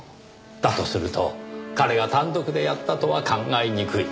だとすると彼が単独でやったとは考えにくい。